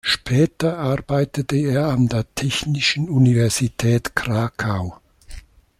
Später arbeitete er an der Technischen Universität Krakau.